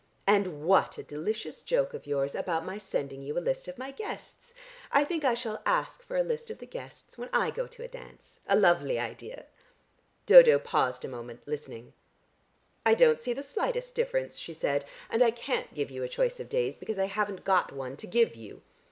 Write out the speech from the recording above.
And what a delicious joke of yours about my sending you a list of my guests! I think I shall ask for a list of the guests when I go to a dance. A lovely idea." Dodo paused a moment, listening. "I don't see the slightest difference," she said. "And I can't give you a choice of days, because I haven't got one to give you."